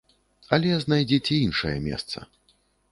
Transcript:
Але знайдзіце іншае месца.